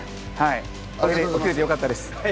来れてよかったです。